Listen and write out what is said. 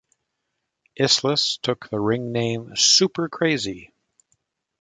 Islas took the ring name "Super Crazy".